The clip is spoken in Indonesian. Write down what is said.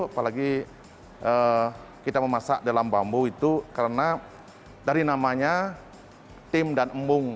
apalagi kita memasak dalam bambu itu karena dari namanya tim dan embung